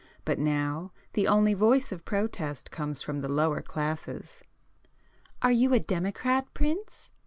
But now the only voice of protest comes from the 'lower' classes." "Are you a democrat, prince?"